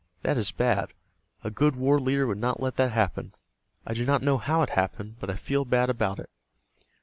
That is bad. A good war leader would not let that happen. I do not know how it happened, but I feel bad about it."